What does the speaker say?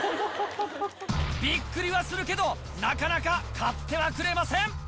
びっくりはするけど、なかなか買ってはくれません。